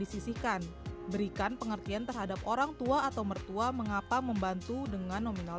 disisihkan berikan pengertian terhadap orang tua atau mertua mengapa membantu dengan nominal